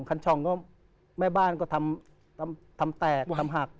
คันช่องก็แม่บ้านก็ทำแตกทำหัก